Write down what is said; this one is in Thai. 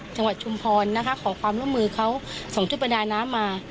ชุมพรนะคะขอความร่วมมือเขาส่งชุดประดาน้ำมา